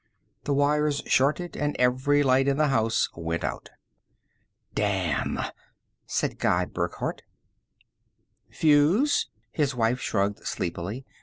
The wires shorted and every light in the house went out. "Damn!" said Guy Burckhardt. "Fuse?" His wife shrugged sleepily.